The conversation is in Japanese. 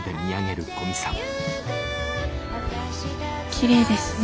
きれいですね。